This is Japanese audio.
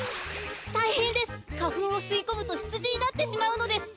たいへんです！かふんをすいこむとひつじになってしまうのです！